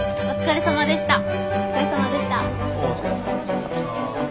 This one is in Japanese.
お疲れさまでした。